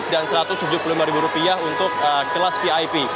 dan rp satu ratus tujuh puluh lima untuk kelas vip